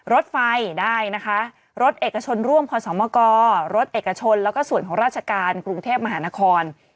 รถไฟได้นะคะรถเอกชนร่วมพศมกรรถเอกชนแล้วก็ส่วนของราชการกรุงเทพมหานคร